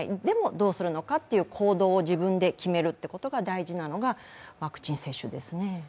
、どうするのかという行動を自分で決めることが大事なのがワクチン接種ですね。